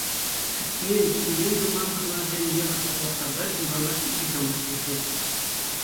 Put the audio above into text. Кӗтмен, чӗнмен-туман хӑнасем евӗр таплаттарса ҫумранах икӗ ҫамрӑк иртет.